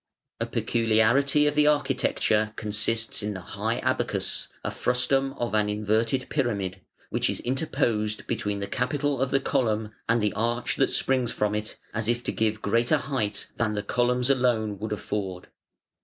A peculiarity of the architecture consists in the high abacus a frustum of an inverted pyramid which is interposed between the capital of the column and the arch that springs from it, as if to give greater height than the columns alone would afford.